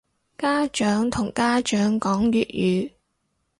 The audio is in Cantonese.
家長同家長講粵語